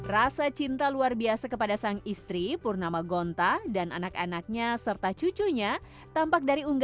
rasa cinta luar biasa kepada sang istri purnama gonta dan anak anaknya serta cucunya tampak dari unggahan